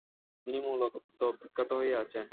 তিনি মূলত বিখ্যাত হয়ে আছেন।